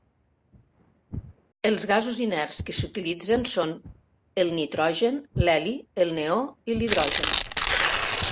Els gasos inerts que s'utilitzen són el nitrogen, l'heli, el neó i l'hidrogen.